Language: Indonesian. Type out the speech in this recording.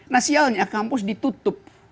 nah sialnya kampus ditutup